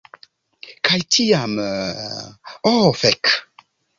Kaj tiam... Oh fek!